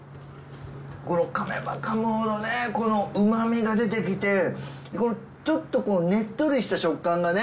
この噛めば噛むほどね旨みが出てきてちょっとねっとりした食感がね。